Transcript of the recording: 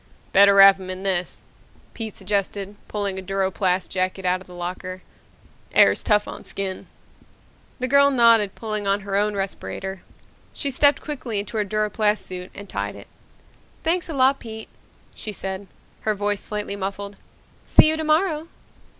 "Better wrap him in this," Pete suggested, pulling a duroplast jacket out of the locker. "Air's tough on skin." The girl nodded, pulling on her own respirator. She stepped quickly into her duroplast suit and tied it. "Thanks a lot, Pete," she said, her voice slightly muffled. "See you tomorrow."